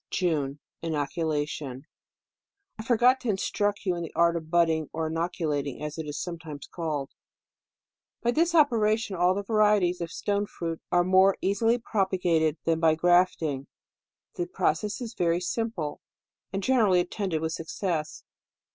JUNE. Inoculation. — I forgot to instruct you in the art of budding, or inoculating, as it is sometimes called. ~ By this operation all the 208 DECEMBER. varieties of stone fruit are more easily pro pagated than by grafting. The process is very simple, and generally attended with success.